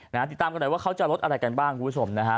นะฮะติดตามกันหน่อยว่าเค้าจะลดอะไรกันบ้างผู้สมดิ์นะคะ